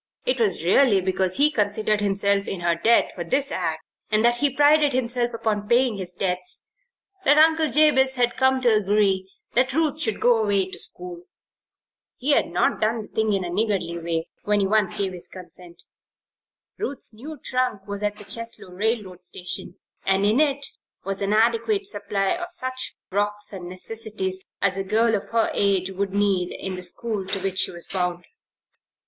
It was really because he considered himself in her debt for this act, and that he prided himself upon paying his debts, that Jabez Potter had come to agree that Ruth should go away to school. He had not done the thing in a niggardly way, when once he gave his consent. Ruth's new trunk was at the Cheslow railroad station and in it was an adequate supply of such frocks and necessities as a girl of her age would need in the school to which she was bound.